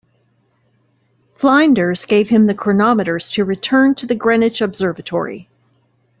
Flinders gave him the chronometers to return to the Greenwich Observatory.